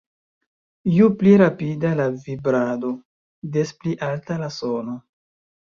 Ju pli rapida la vibrado, des pli alta la sono.